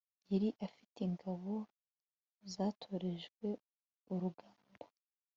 Yari afite ingabo zatorejwe urugamba